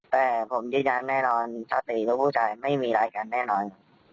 แต่ผมยืนยั้นแน่นอนสติแล้วผู้ใจไม่มีรักกันแน่นอน